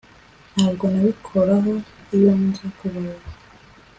Ntabwo nabikoraho iyo nza kuba wowe